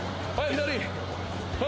左。